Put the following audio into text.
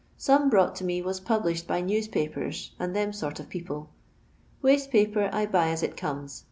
Some brought to me wns published by newspapers and tliem sort of peo]»!e. Waste paper I buy as it comes.